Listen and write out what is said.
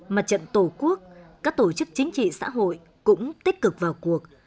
mặt trận tổ quốc các tổ chức chính trị xã hội cũng tích cực vào cuộc